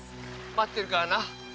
待ってるからな。